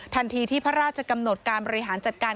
ทันทีที่พระราชกำหนดการบริหารจัดการ